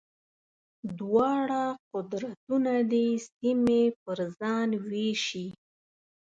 دواړه قدرتونه دې سیمې پر ځان وېشي.